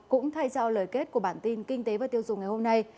cũng thay cho lời kết của bản tin kinh tế và tiêu dùng ngày hôm nay